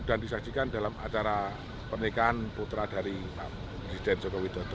dan disajikan dalam acara pernikahan putra dari presiden jokowi dato